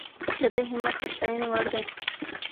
د ده همت د ستاینې وړ دی.